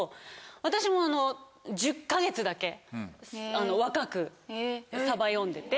私も１０か月だけ若くサバ読んでて。